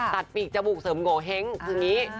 ปีกจมูกเสริมโงเห้งคืออย่างนี้